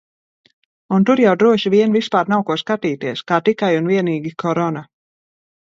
Un tur jau droši vien vispār nav ko skatīties. Kā tikai un vienīgi Corona.